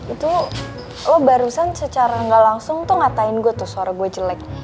itu lo barusan secara gak langsung tuh ngatain gue tuh suara gue jelek